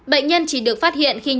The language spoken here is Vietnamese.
bệnh nhân chỉ được phát hiện khi nhập cảnh